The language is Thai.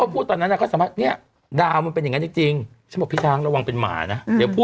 พี่ยังแปลวงเป็นหมานะ